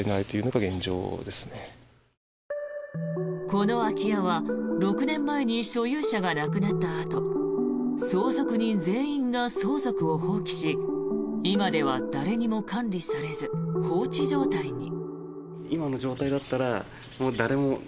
この空き家は６年前に所有者が亡くなったあと相続人全員が相続を放棄し今では誰にも管理されず放置状態に。